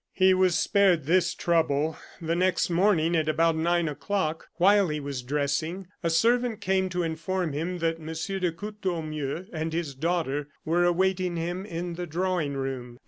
He was spared this trouble. The next morning, at about nine o'clock, while he was dressing, a servant came to inform him that M. de Courtornieu and his daughter were awaiting him in the drawing room.